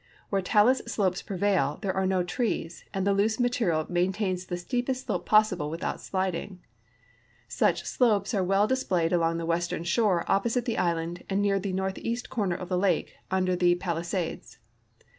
Where talus slopes prevail, there are no trees, and the loose material maintains the CRATER LAKE, OREGON 41 steepest slope possible without sliding. Such slopes are well displayed along the western shore o})posite the island and near the northeast corner of the lake under the ])alisades.